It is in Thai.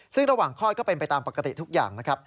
ซึ่งระหว่างคลอดก็เป็นไปตามปกติทุกอย่างนะครับ